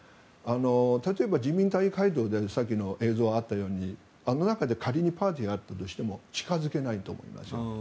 例えば人民大会堂でさっき映像にもあったようにあの中で仮にパーティーがあったとしても近付けないと思いますよ。